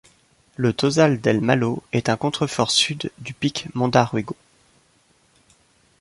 Le Tozal del Mallo est un contrefort sud du pic Mondarruego.